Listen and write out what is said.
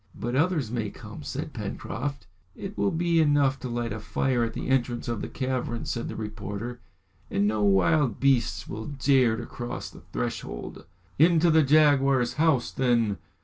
"But others may come," said Pencroft. "It will be enough to light a fire at the entrance of the cavern," said the reporter, "and no wild beasts will dare to cross the threshold." "Into the jaguar's house, then!"